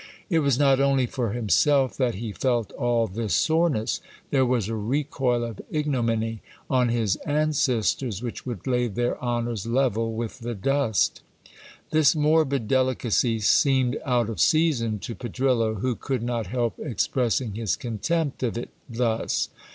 It was not only for himself that he felt all this soreness ; there was a recoil of ignominy on his ancestors, which would lay their honours level with the dust. This morbid delicacy seemed out of season to Pedrillo, who could not help express ing his contempt of it thus.